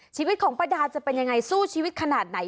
ชีวิตของป้าดาจะเป็นยังไงสู้ชีวิตขนาดไหน